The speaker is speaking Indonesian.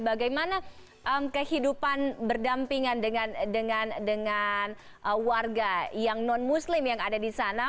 bagaimana kehidupan berdampingan dengan warga yang non muslim yang ada di sana